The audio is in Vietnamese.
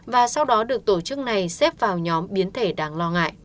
và sau đó được tổ chức này xếp vào nhóm biến thể đáng lo ngại